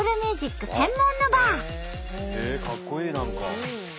かっこいい何か。